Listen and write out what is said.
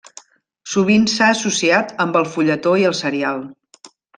Sovint s'ha associat amb el fulletó i el serial.